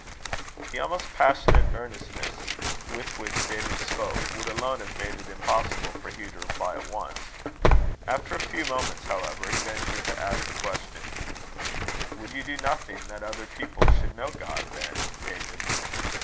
The almost passionate earnestness with which David spoke, would alone have made it impossible for Hugh to reply at once. After a few moments, however, he ventured to ask the question: "Would you do nothing that other people should know God, then, David?"